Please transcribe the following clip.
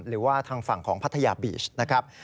หรือว่าทางฝั่งของพัทยาบีชนะครับ